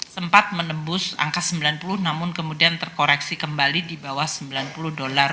sempat menembus angka sembilan puluh namun kemudian terkoreksi kembali di bawah sembilan puluh dolar